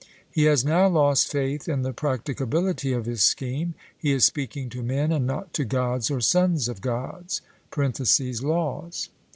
He has now lost faith in the practicability of his scheme he is speaking to 'men, and not to Gods or sons of Gods' (Laws).